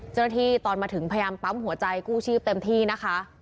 เจ้าหน้าที่ตอนมาถึงพยายามปั๊มหัวใจกู้ชีพเต็มที่นะคะ